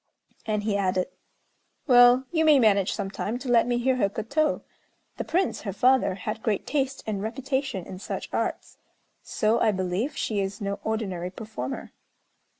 And he added, "Well, you may manage some time to let me hear her koto. The Prince, her father, had great taste and reputation in such arts; so, I believe, she is no ordinary performer."